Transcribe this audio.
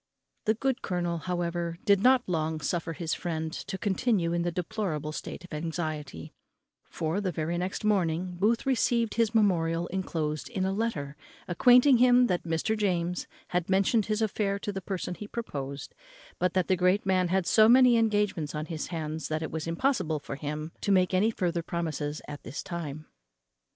The good colonel, however, did not long suffer his friend to continue in the deplorable state of anxiety; for, the very next morning, Booth received his memorial enclosed in a letter, acquainting him that Mr. James had mentioned his affair to the person he proposed, but that the great man had so many engagements on his hands that it was impossible for him to make any further promises at this time.